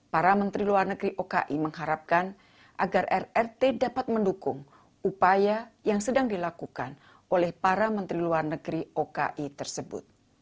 para menteri luar negeri oki mengharapkan agar rrt dapat mendukung upaya yang sedang dilakukan oleh para menteri luar negeri oki tersebut